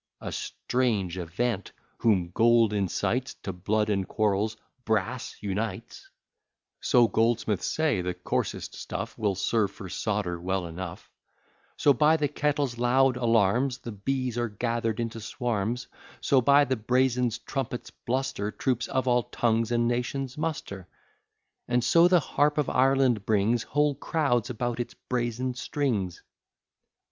A strange event! whom gold incites To blood and quarrels, brass unites; So goldsmiths say, the coarsest stuff Will serve for solder well enough: So by the kettle's loud alarms The bees are gather'd into swarms, So by the brazen trumpet's bluster Troops of all tongues and nations muster; And so the harp of Ireland brings Whole crowds about its brazen strings.